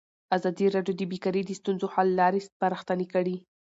ازادي راډیو د بیکاري د ستونزو حل لارې سپارښتنې کړي.